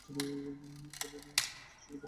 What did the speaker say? তবে এ জন্য বিশেষ দক্ষতা অর্জনে গুরুত্ব দিতে হবে।